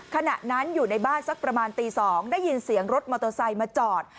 ขณะนั้นอยู่ในบ้านสักประมาณตี๒ได้ยินเสียงรถมอเตอร์ไซค์มาจอด